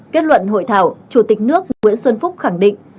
kết luận hội thảo chủ tịch nước nguyễn xuân phúc khẳng định